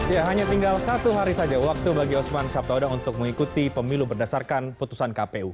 ya hanya tinggal satu hari saja waktu bagi osman sabtaodang untuk mengikuti pemilu berdasarkan putusan kpu